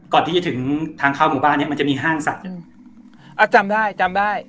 ก่อนที่จะถึงทางเข้าหมู่บ้านเนี้ยมันจะมีห้างสัตว์อยู่อ่าจำได้จำได้